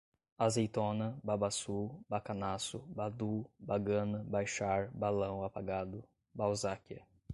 azeitona, babaçú, bacanaço, badú, bagana, baixar, balão apagado, balzáquia